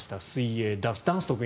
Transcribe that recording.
水泳、ダンス。